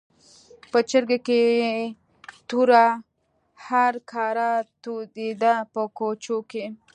په چرګۍ کې یې توره هرکاره تودېده په کوچو کې.